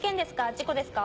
事故ですか？